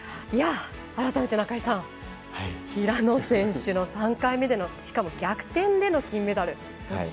改めて中井さん平野選手の３回目でのしかも逆転での金メダル